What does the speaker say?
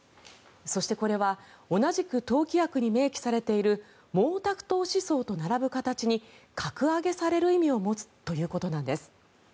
そして、これは同じく党規約に明記されている毛沢東思想と並ぶ形に格上げされる意味を持つということなんです。